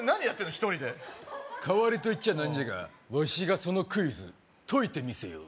１人で代わりといっちゃ何じゃがわしがそのクイズ解いてみせよう